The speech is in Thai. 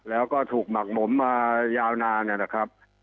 แล้วก็ถูกหมักหมมมายาวนานนะครับ